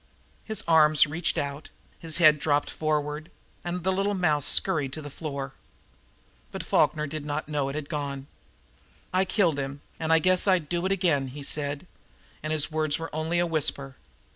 His arms reached out; his head dropped forward, and the little mouse scurried to the floor. But Falkner did not know that it had gone. "I killed him, an' I guess I'd do it again," he said, and his words were only a whisper.